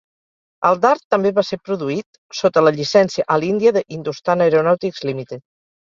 El dard també va ser produït sota la llicència a l'Índia de Hindustan Aeronautics Limited.